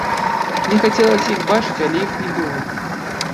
Мне хацелася іх бачыць, але іх не было.